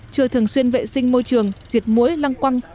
chưa thường xuyên vệ sinh môi trường diệt mũi lăng quăng